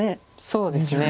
そうですね。